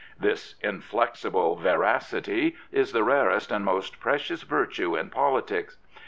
This inflexible veracity is the rarest and the most precious virtue in politics.